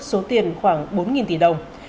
số tiền khoảng bốn tỷ đồng